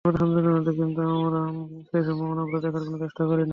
আমাদের সন্তানদের মধ্যে কিন্তু আমরা সেই সম্ভাবনাগুলো দেখার কোনো চেষ্টা করি না।